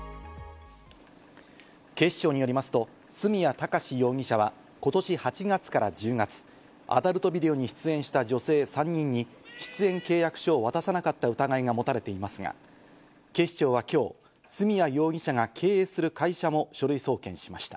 警視庁によりますと角谷貴史容疑者は今年８月１０月、アダルトビデオに出演した女性３人に出演契約書を渡さなかった疑いが持たれていますが、警視庁は今日、角谷容疑者が経営する会社も書類送検しました。